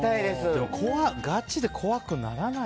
でもガチで怖くならない。